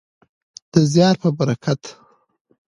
د زیار په برکت.